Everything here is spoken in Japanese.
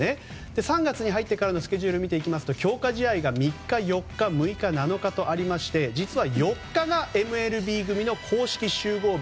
３月に入ってからのスケジュール見ていきますと強化試合が３日、４日６日、７日とありまして実は４日がＭＬＢ組の公式集合日。